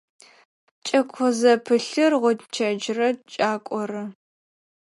Кӏэко зэпылъыр – гъончэджрэ кӏакорэ.